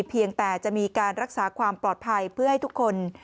เพียงแต่จะมีการรักษาความปลอดภัยเพื่อให้ทุกคน